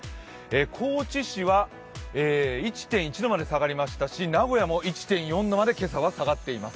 高知市は１．１度まで下がりましたし名古屋も１．４度まで今朝は下がっています。